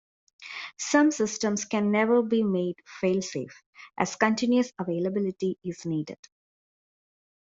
Some systems can never be made fail safe, as continuous availability is needed.